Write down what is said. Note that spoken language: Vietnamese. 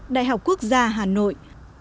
đại học quốc gia hà nội